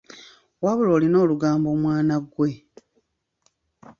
Wabula olina olugambo mwana ggwe.